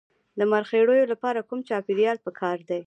د مرخیړیو لپاره کوم چاپیریال پکار دی؟